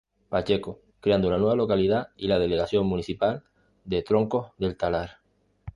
Pacheco, creando una nueva localidad y la Delegación Municipal de Troncos del Talar.